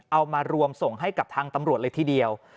เอามารวมส่งให้กับทางตำรวจเลยทีเดียว